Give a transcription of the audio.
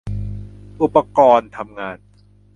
อุปกรณ์ทำงาน